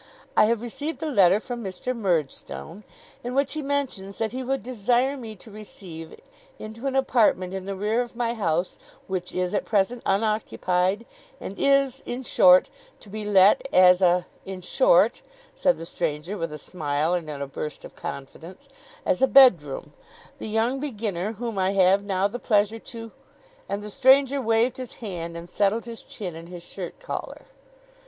I have received a letter from Mr. Murdstone, in which he mentions that he would desire me to receive into an apartment in the rear of my house, which is at present unoccupied and is, in short, to be let as a in short,' said the stranger, with a smile and in a burst of confidence, 'as a bedroom the young beginner whom I have now the pleasure to ' and the stranger waved his hand, and settled his chin in his shirt collar.